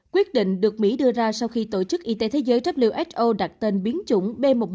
quyết định được mỹ đưa ra sau khi tổ chức y tế thế giới who đặt tên biến chủng